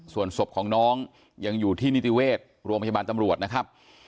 ส่วนศพของน้องยังอยู่ที่นิติเวชโรงพยาบาลตำรวจนะครับ